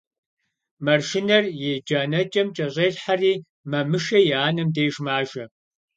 Маршынэр и джанэкӀэм кӀэщӀелъхьэри Мамышэ и анэм деж мажэ.